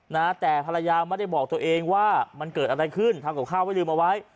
นะแต่ภรรยาไม่ได้บอกตัวเองว่ามันเกิดอะไรขึ้นทำกับข้าวไว้ลืมเอาไว้